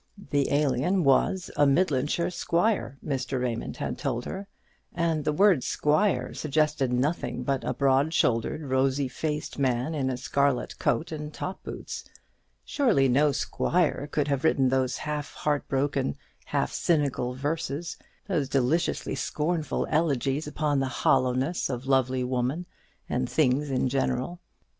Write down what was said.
The Alien was a Midlandshire squire, Mr. Raymond had told her; and the word 'squire' suggested nothing but a broad shouldered, rosy faced man, in a scarlet coat and top boots. Surely no squire could have written those half heartbroken, half cynical verses, those deliciously scornful elegies upon the hollowness of lovely woman and things in general!